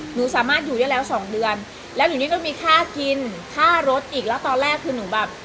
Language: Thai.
หนูสามารถอยู่ได้แล้วสองเดือนแล้วหนูนี่ก็มีค่ากินค่ารถอีกแล้วตอนแรกคือหนูแบบ